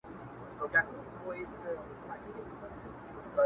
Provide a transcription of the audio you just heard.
هنر هنر سوم زرګري کومه ښه کومه -